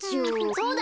そうだ！